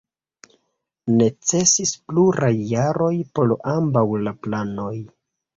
Necesis pluraj jaroj por ambaŭ la planoj.